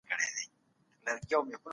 د مالکي مذهب ځيني فقهاء دا نظر لري.